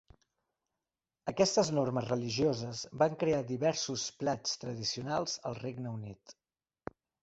Aquestes normes religioses van crear diversos plats tradicionals al Regne Unit.